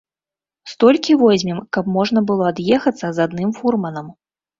Столькі возьмем, каб можна было ад'ехацца з адным фурманам.